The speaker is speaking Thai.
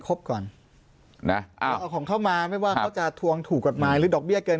ก่อนนะอ่าเราเอาของเขามาไม่ว่าเขาจะทวงถูกกฎหมายหรือดอกเบี้ยเกิน